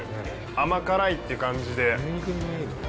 甘辛いって感じで。